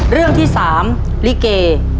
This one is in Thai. เรื่องที่๓ลิเก